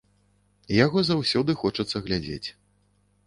Яго заўсёды хочацца глядзець.